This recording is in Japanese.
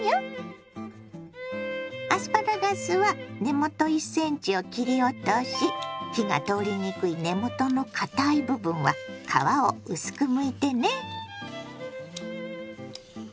アスパラガスは根元１ｃｍを切り落とし火が通りにくい根元のかたい部分は皮を薄くむいてね。